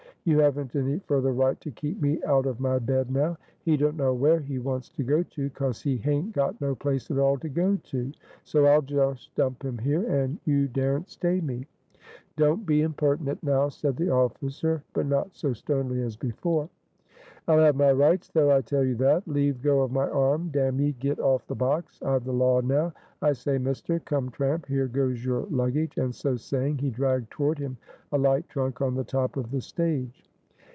You haven't any further right to keep me out of my bed now. He don't know where he wants to go to, cause he haint got no place at all to go to; so I'll just dump him here, and you dar'n't stay me." "Don't be impertinent now," said the officer, but not so sternly as before. "I'll have my rights though, I tell you that! Leave go of my arm; damn ye, get off the box; I've the law now. I say mister, come tramp, here goes your luggage," and so saying he dragged toward him a light trunk on the top of the stage.